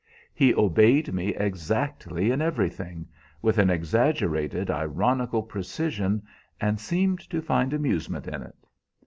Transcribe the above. He obeyed me exactly in everything, with an exaggerated ironical precision, and seemed to find amusement in it.